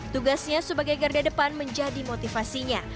tugasnya sebagai garda depan menjadi motivasinya